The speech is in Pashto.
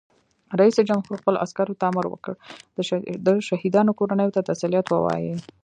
رئیس جمهور خپلو عسکرو ته امر وکړ؛ د شهیدانو کورنیو ته تسلیت ووایئ!